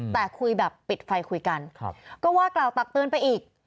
แต่คุยแบบปิดไฟคุยกันก็ว่ากล่าวตักเตือนไปอีก